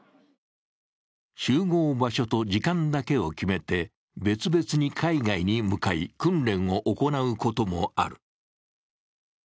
集合場所と時間だけを決めて別々に海外に向かい、訓練を行うこともある。